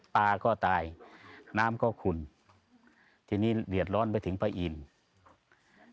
ปลาก็ตายน้ำก็ขุ่นทีนี้เดือดร้อนไปถึงพระอินทร์